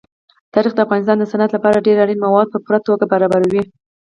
تاریخ د افغانستان د صنعت لپاره ډېر اړین مواد په پوره توګه برابروي.